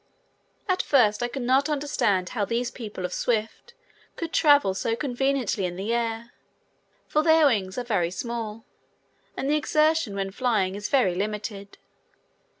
At first I could not understand how these people of Swift could travel so conveniently in the air, for their wings are very small and the exertion when flying is very limited.